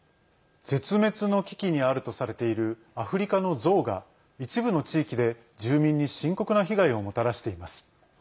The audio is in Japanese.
絶滅の危機にあるとされているアフリカのゾウが一部の地域で住民に深刻な被害をもたらしています。